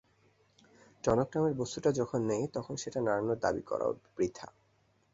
টনক নামের বস্তুটা যখন নেই, তখন সেটা নাড়ানোর দাবি করাও বৃথা।